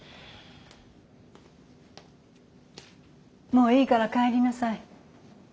もういいから帰りなさい。